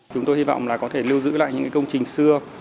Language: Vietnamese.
chúng tôi hy vọng là có thể lưu giữ lại những công trình xưa